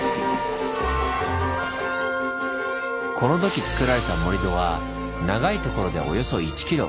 この時つくられた盛り土は長いところでおよそ１ｋｍ。